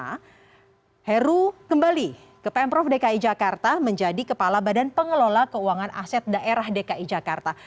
pertama heru kembali ke pemprov dki jakarta menjadi kepala badan pengelola keuangan aset daerah dki jakarta